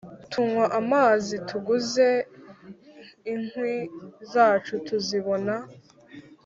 Tunywa amazi tuguze inkwi zacu tuzibona